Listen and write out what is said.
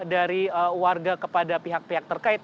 dari warga kepada pihak pihak terkait